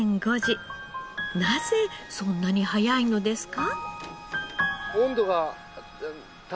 なぜそんなに早いのですか？